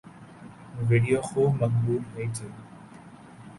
video خوب مقبول ہوئی تھی